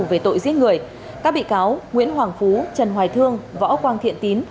về tội giết người các bị cáo nguyễn hoàng phú trần hoài thương võ quang thiện tín